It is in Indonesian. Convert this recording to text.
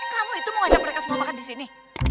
kamu itu mau ajak mereka semua makan disini